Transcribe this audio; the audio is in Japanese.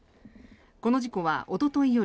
この事故はおととい夜